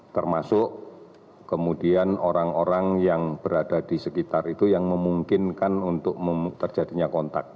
termasuk kemudian orang orang yang berada di sekitar itu yang memungkinkan untuk terjadinya kontak